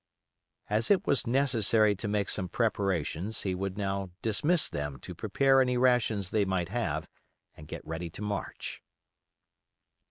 As it was necessary to make some preparations he would now dismiss them to prepare any rations they might have and get ready to march.